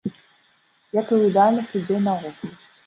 Як і ў ідэальных людзей наогул.